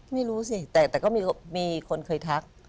ไม่รู้สิแต่ก็มีคนเคยทัก